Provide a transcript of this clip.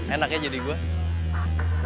enak ya jadi gue